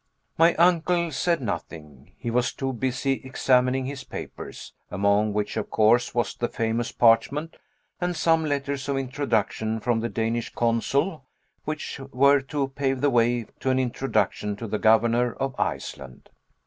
My uncle said nothing. He was too busy examining his papers, among which of course was the famous parchment, and some letters of introduction from the Danish consul which were to pave the way to an introduction to the Governor of Iceland.